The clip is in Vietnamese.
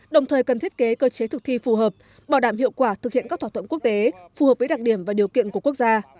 đồng thời cần thiết kế cơ chế thực thi phù hợp bảo đảm hiệu quả thực hiện các thỏa thuận quốc tế phù hợp với đặc điểm và điều kiện của quốc gia